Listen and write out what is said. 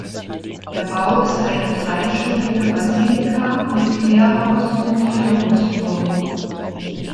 Der Bau ist eine dreischiffige Basilika mit Querhaus und Vierungsturm.